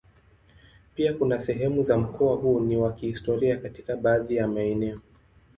Pia kuna sehemu za mkoa huu ni wa kihistoria katika baadhi ya maeneo.